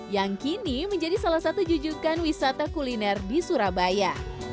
yang kini menjadi salah satu jujukan wisata kuliner di surabaya